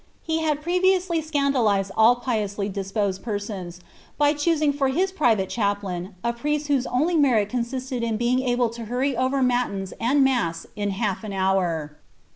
He had previously scandalized all piously disposed persons, by choosing for his private chaplain a priest whose only merit consisted in being able to hurry over matins and mass in half an hour.